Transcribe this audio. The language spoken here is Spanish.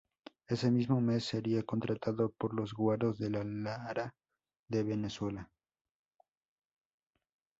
Ese mismo mes sería contratado por los Guaros de Lara de Venezuela.